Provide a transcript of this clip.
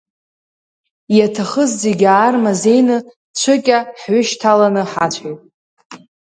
Иаҭахыз зегьы аармазеины цәыкьа ҳҩышьҭаланы ҳацәеит.